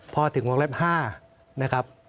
พอถึงวงเล็บ๕นะครับ